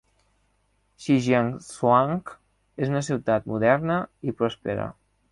Shijiazhuang és una ciutat moderna i pròspera.